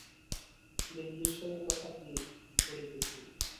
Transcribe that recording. দিল্লীশ্বরের কথা কী বলিতেছিলে?